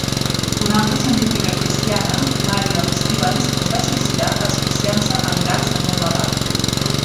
Una altra científica cristiana, Marion Stephens, es va suïcidar asfixiant-se amb gas en un lavabo.